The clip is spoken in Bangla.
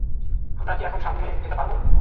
আমরা কি এখন সামনে যেতে পারব?